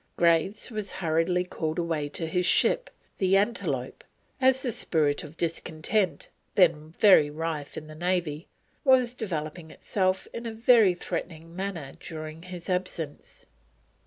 Graves was hurriedly called away to his ship, the Antelope, as the spirit of discontent, then very rife in the Navy, was developing itself in a very threatening manner during his absence.